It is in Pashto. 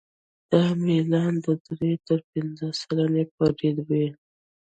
دا میلان د درې تر پنځه سلنې پورې وي